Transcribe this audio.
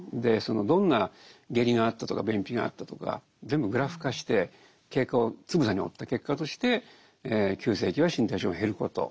どんな下痢があったとか便秘があったとか全部グラフ化して経過をつぶさに追った結果として急性期は身体症状が減ること